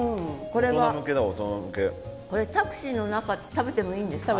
これタクシーの中で食べてもいいんですか？